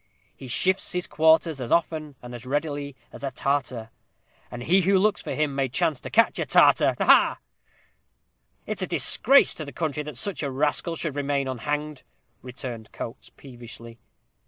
He shifts his quarters as often and as readily as a Tartar; and he who looks for him may chance to catch a Tartar ha! ha!" "It's a disgrace to the country that such a rascal should remain unhanged," returned Coates, peevishly.